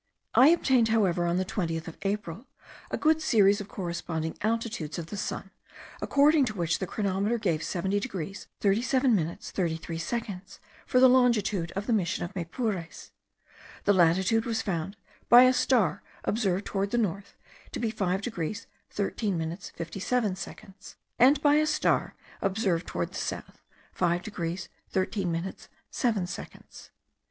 I obtained, however, on the 20th of April, a good series of corresponding altitudes of the sun, according to which the chronometer gave 70 degrees 37 minutes 33 seconds for the longitude of the mission of Maypures; the latitude was found, by a star observed towards the north, to be 5 degrees 13 minutes 57 seconds; and by a star observed towards the south, 5 degrees 13 minutes 7 seconds.